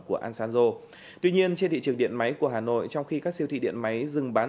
của asanzo tuy nhiên trên thị trường điện máy của hà nội trong khi các siêu thị điện máy dừng bán